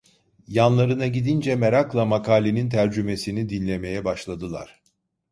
Yanlarına gidince merakla makalenin tercümesini dinlemeye başladılar.